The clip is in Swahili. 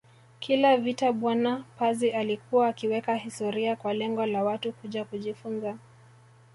Kila vita bwana Pazi alikuwa akiweka historia kwa lengo la Watu kuja kujifunza